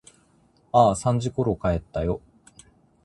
ああ、三時ころ帰ったよ。